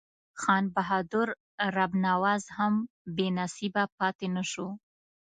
خان بهادر رب نواز هم بې نصیبه پاته نه شو.